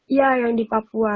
iya yang di papua